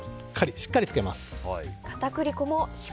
しっかりつけます。